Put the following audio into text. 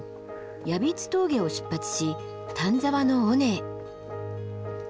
ヤビツ峠を出発し丹沢の尾根へ。